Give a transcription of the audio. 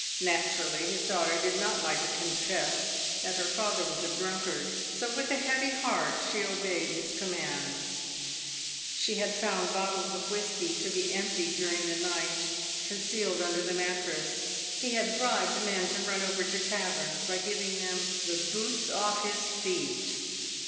Naturally his daughter did not like to confess that her father was a drunkard, so with a heavy heart she obeyed his com mands. She had found bottles of whisky, to be emptied during the night, concealed under the mattress. He had bribed men to run over to taverns by giving them the boots off his feet.